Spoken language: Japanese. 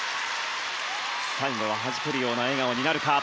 最後ははじけるような笑顔になるか。